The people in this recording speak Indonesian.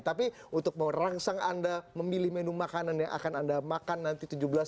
tapi untuk merangsang anda memilih menu makanan yang akan anda makan nanti tujuh belas